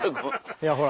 いやほら。